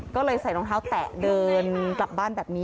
ก็เลยใส่รองเท้าแตะเดินกลับบ้านแบบนี้